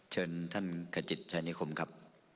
เชิญท่านกระจิตชายนิคมครับ